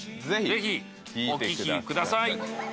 ぜひお聴きください。